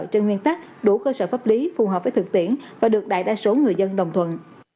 trên nguyên tắc đủ cơ sở pháp lý phù hợp với thực tiễn và được đại đa số người dân đồng thuận